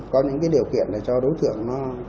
có những cái điều kiện để cho đối tượng